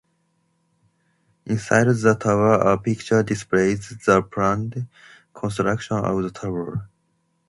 Inside the tower a picture displays the planned construction of the tower.